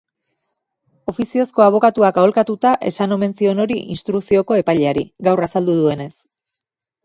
Ofiziozko abokatuak aholkatuta esan omen zion hori instrukzioko epaileari, gaur azaldu duenez.